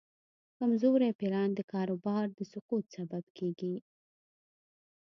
کمزوری پلان د کاروبار د سقوط سبب کېږي.